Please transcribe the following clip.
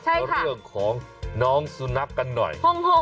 เรื่องของน้องสุนัขกันหน่อย